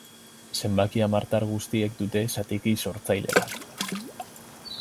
Zenbaki hamartar guztiek dute zatiki sortzaile bat.